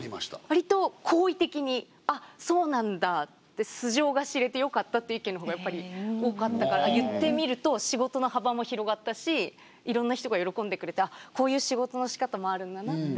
わりと好意的に「あっそうなんだ」って「素性が知れてよかった」っていう意見のほうがやっぱり多かったから言ってみると仕事の幅も広がったしいろんな人が喜んでくれてこういう仕事のしかたもあるんだなとは思いました。